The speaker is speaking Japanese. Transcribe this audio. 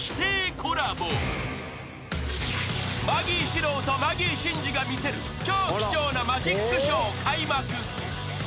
［マギー司郎とマギー審司が見せる超貴重なマジックショー開幕］